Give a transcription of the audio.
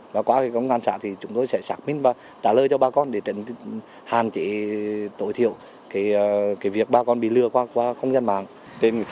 và qua công an xã thì chúng tôi sẽ xác minh và trả lời cho bà con để hạn chế tối thiểu việc bà con bị lừa qua không gian mạng